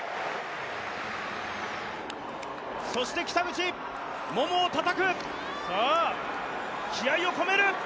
そして北口、ももをたたく、気合いを込める！